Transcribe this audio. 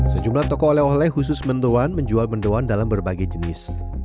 sejumlah toko oleh oleh khusus mendoan menjual mendoan dalam berbagai jenis